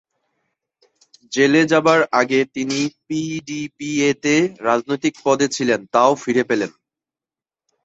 জেলে যাবার আগে তিনি পিডিপিএ-তে যে রাজনৈতিক পদে ছিলেন তাও ফিরে পেলেন।